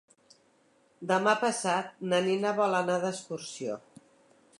Demà passat na Nina vol anar d'excursió.